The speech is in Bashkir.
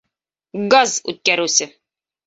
Газ үткәреүсе.